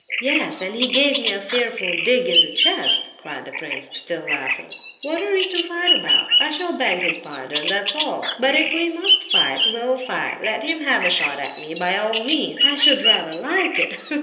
"Yes, and he gave me a fearful dig in the chest," cried the prince, still laughing. "What are we to fight about? I shall beg his pardon, that's all. But if we must fight—we'll fight! Let him have a shot at me, by all means; I should rather like it.